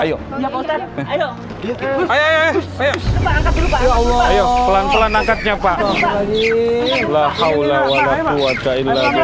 ayo ayo pelan pelan angkatnya pak lah allah wa la quwwata illallah ya allah